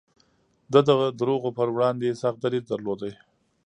ده د دروغو پر وړاندې سخت دريځ درلود.